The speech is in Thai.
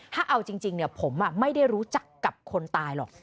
ถ้าเอาจริงผมไม่ได้รู้จักกับคนตายหรอก